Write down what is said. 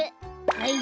はい！